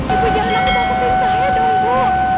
ibu jangan aku takutin saya dong bu